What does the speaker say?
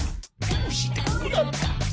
どうしてこうなった？」